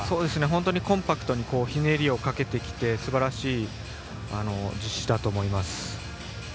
本当にコンパクトにひねりをかけてきてすばらしい実施だと思います。